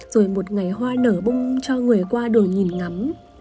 rồi một ngày hoa nở bông cho người qua đường nhìn ngắm